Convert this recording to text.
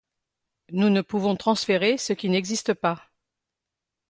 Nous ne pouvons transférer ce qui n’existe pas.